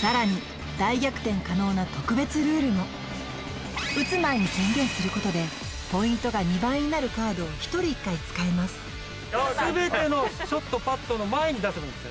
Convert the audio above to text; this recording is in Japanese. さらに大逆転可能な特別ルールも打つ前に宣言することでポイントが２倍になるカードを１人１回使えますすべてのショットパットの前に出せばいいんですね